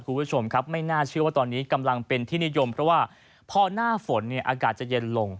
คุณผู้ชมครับไม่น่าเชื่อว่าตอนนี้กำลังเป็นที่นิยมเพราะว่าพอหน้าฝนเนี่ยอากาศจะเย็นลง